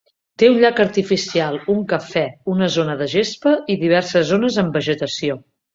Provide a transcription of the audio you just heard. Té un llac artificial, un Cafè, una zona de gespa i diverses zones amb vegetació.